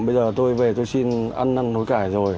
bây giờ tôi về tôi xin ăn năn hối cải rồi